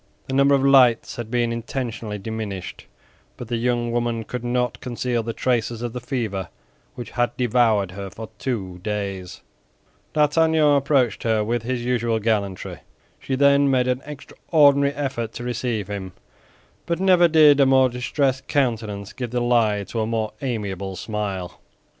The number of lights had been intentionally diminished, but the young woman could not conceal the traces of the fever which had devoured her for two days. D'Artagnan approached her with his usual gallantry. She then made an extraordinary effort to receive him, but never did a more distressed countenance give the lie to a more amiable smile.